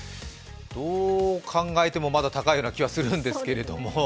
どう考えても、まだ高いような気がするんですけれども。